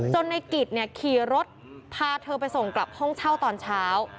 ในกิจขี่รถพาเธอไปส่งกลับห้องเช่าตอนเช้า